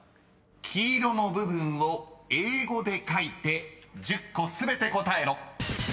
［黄色の部分を英語で書いて１０個全て答えろ］